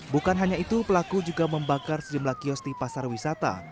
bukan hanya itu pelaku juga membakar sejumlah kios di pasar wisata